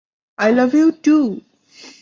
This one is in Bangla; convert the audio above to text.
I love you two.